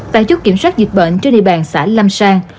tại chốt kiểm soát dịch bệnh trên địa bàn xã lâm sang